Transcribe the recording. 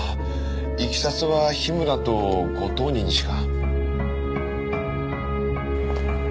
いきさつは樋村とご当人にしか。